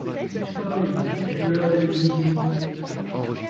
Toy, la lueur de mes nuicts !